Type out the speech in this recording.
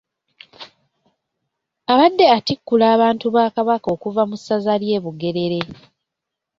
Abadde atikkula abantu ba Kabaka okuva mu ssaza ly'e Bugerere.